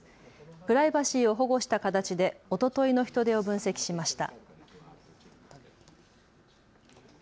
プライバシーを保護した形でおとといの人出を分析しました。